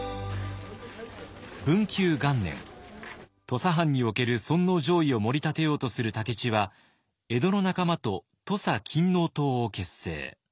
土佐藩における尊皇攘夷をもり立てようとする武市は江戸の仲間と土佐勤王党を結成。